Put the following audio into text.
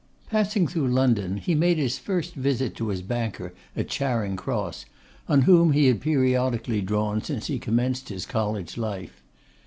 Passing through London, he made his first visit to his banker at Charing Cross, on whom he had periodically drawn since he commenced his college life.